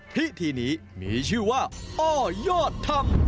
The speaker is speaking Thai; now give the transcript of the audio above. พิธีนี้มีชื่อว่าอ้อยอดธรรม